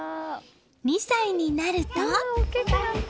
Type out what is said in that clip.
２歳になると。